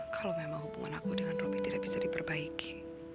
kalau memang hubungan aku dengan roby tidak bisa diperbaiki